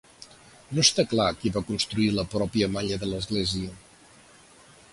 No està clar qui va construir la pròpia malla de l'església.